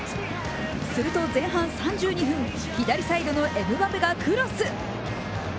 すると前半３２分、左サイドのエムバペがクロス。